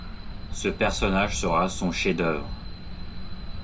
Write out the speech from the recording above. Ce personnage sera son chef-d'œuvre.